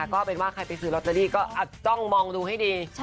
ใครซื้อลอตเตอรี่ก็อาจต้องมองดูให้ดี